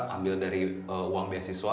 ambil dari uang beasiswa